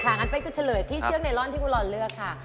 เพราะฉะนั้นว่าเจ๊จะเฉลยที่เชือกไนลอนที่คุณรรณเลือกค่ะ